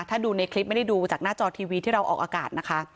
ถ้าดูในคลิปไม่ได้ดูจากหน้าจอทีวีที่เราออกอากาศนะคะ